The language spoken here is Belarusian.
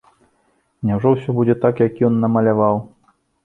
Няўжо ж усё будзе так, як ён намаляваў?